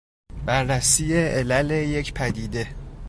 بررسی علل یک پدیده